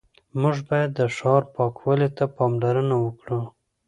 موږ باید د ښار پاکوالي ته پاملرنه وکړو